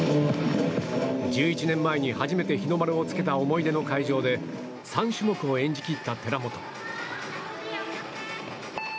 １１年前に初めて日の丸をつけた思い出の会場で３種目を演じきった寺本。